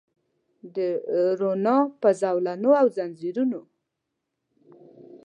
د روڼا په زولنو او ځنځیرونو